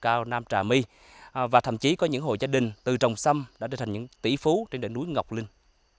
cây sâm cao nam trà mi và thậm chí có những hồ gia đình từ trồng sâm đã được thành những tỷ phú trên đỉnh núi ngọc linh